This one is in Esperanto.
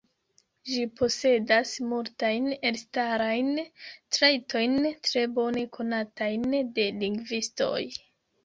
Ĝi posedas multajn elstarajn trajtojn tre bone konatajn de lingvistoj.